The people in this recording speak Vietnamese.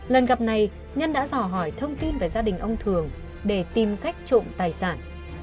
lần gặp này nhân đã dò hỏi thông tin về gia đình ông thường để tìm cách trộm tài sản